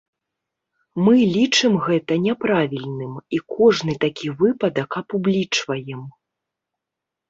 Мы лічым гэта няправільным і кожны такі выпадак апублічваем.